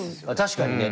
確かにね。